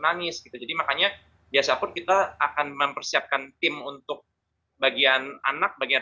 nangis gitu jadi makanya biasa pun kita akan mempersiapkan tim untuk bagian anak bagian